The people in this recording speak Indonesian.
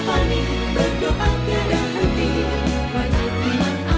jadi increasingly kami mengajak ilmiah ber grace'moa to